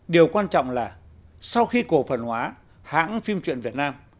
điều quan trọng là sau khi cổ phần hóa hãng phim truyện việt nam